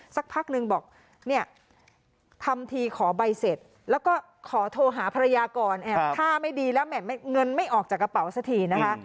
สักพักนึงบอกเนี่ยทำทีขอใบเสร็จแล้วก็ขอโทรหาภรรยาก่อนแอบท่าไม่ดีแล้วเงินไม่ออกจากกระเป๋าสักทีนะคะ